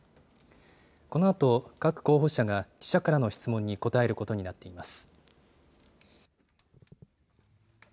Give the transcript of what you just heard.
このあと各候補者が、記者からの質問に答えることになっています。